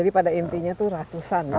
jadi pada intinya tuh ratusan ya